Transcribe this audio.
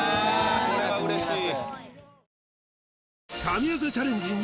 これはうれしい！